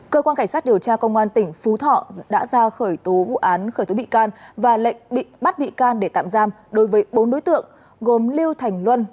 cơ quan cảnh sát điều tra công an tỉnh phú thọ đã ra khởi tố vụ án khởi tố bị can và lệnh bắt bị can để tạm giam đối với bốn đối tượng gồm lưu thành luân